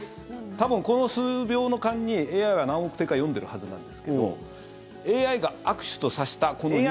多分、この数秒の間にＡＩは何億手か読んでるはずなんですけどＡＩが悪手と指したこの２九龍。